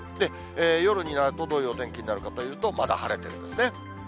夜になると、どういうお天気になるかというと、まだ晴れてるんですね。